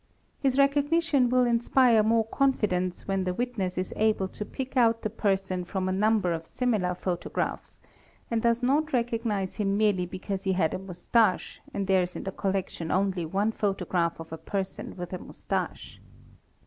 His recognition will inspire more confidence when the witness is able to pick out the person from a number of similar photo | graphs, and does not recognize him merely because he had a moustach and there is in the collection only one photograph of a person with moustache.